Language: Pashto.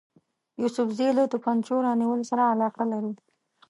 یوسفزي له توپنچو رانیولو سره علاقه لري.